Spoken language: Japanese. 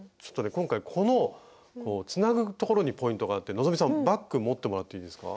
今回このつなぐところにポイントがあって希さんバッグ持ってもらっていいですか？